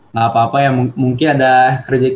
nggak apa apa ya mungkin ada rejeki kedepannya gitu kan